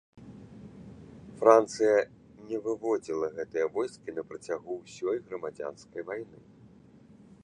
Францыя не выводзіла гэтыя войскі на працягу ўсёй грамадзянскай вайны.